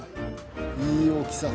いい大きさ。